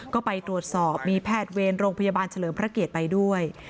ก็ไปตรวจสอบมีแพทย์เวรโรงพยาบาลเฉลิมพระเกียรติไปด้วย